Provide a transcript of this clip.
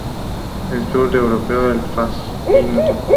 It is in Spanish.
El sur europeo le fascinó.